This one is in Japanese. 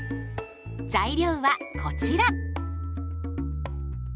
材料はこちら。